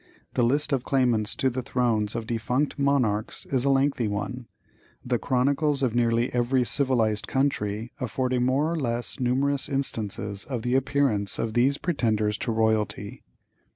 The list of claimants to the thrones of defunct monarchs is a lengthy one, the chronicles of nearly every civilized country affording more or less numerous instances of the appearance of these pretenders to royalty.